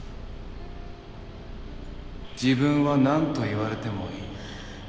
・自分は何と言われてもいい。